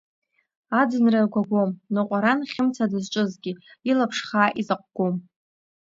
Аӡынра гәагәом, ныҟәаран Хьымца дызҿызгьы, илаԥш хаа изаҟәгом.